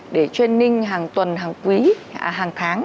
để training hàng tuần hàng quý hàng tháng